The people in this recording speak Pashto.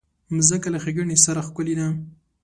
مځکه له ښېګڼې سره ښکلې ده.